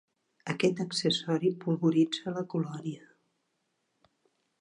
Aquest accessori polvoritza la colònia.